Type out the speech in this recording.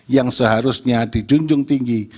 yang seharusnya dijunjung tinggi